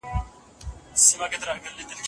که ټيکه ږدم خال مې ورانېږي